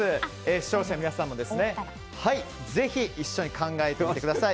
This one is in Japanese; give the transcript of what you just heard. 視聴者の皆さんもぜひ一緒に考えてみてください。